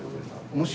もし。